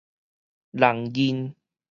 弄猌